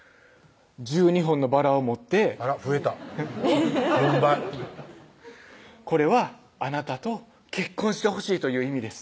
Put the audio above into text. １２本のバラを持ってあら増えた４倍これはあなたと結婚してほしいという意味です